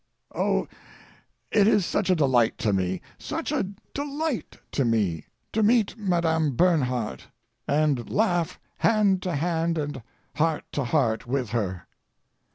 Oh, it is such a delight to me, such a delight to me, to meet Madame Bernhardt, and laugh hand to hand and heart to heart with her.